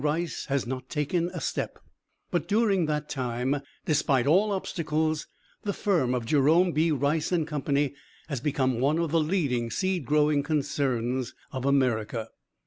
Rice has not taken a step, but during that time, despite all obstacles, the firm of Jerome B. Rice & Co. has become one of the leading seed growing concerns of America.